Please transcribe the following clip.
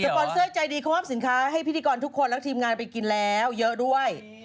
ปอนเซอร์ใจดีเขามอบสินค้าให้พิธีกรทุกคนและทีมงานไปกินแล้วเยอะด้วย